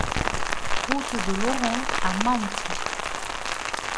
Route de l'Oron à Manthes